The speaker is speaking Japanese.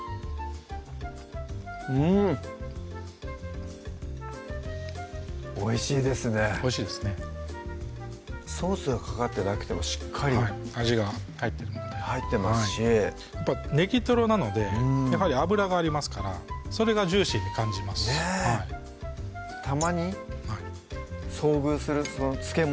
うんおいしいですねおいしいですねソースがかかってなくてもしっかり味が入ってるので入ってますしネギトロなのでやはり脂がありますからそれがジューシーに感じますしねぇたまに遭遇する漬物？